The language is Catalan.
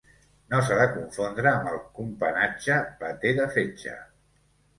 No s'ha de confondre amb el companatge paté de fetge.